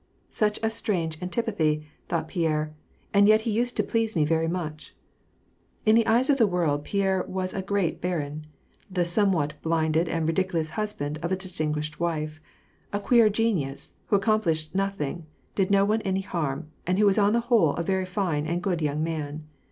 " Such a strange antipathy," thought Pierre, " and yet he used to please me very much." In the eyes of the world, Pierre was a great barin, the some what blinded and ridiculous husband of a distinguished wife, a queer genius, who accomplished nothing, did no one any harm, and was on the whole a very fine and good young man.